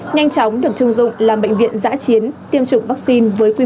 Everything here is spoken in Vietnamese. nhanh chóng được trung dụng làm bệnh viện giã chiến tiêm chủng vaccine